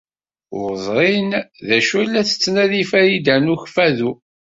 Ur ẓrin d acu ay la tettnadi Farida n Ukeffadu.